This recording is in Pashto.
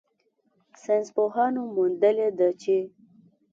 ساینسپوهانو موندلې ده چې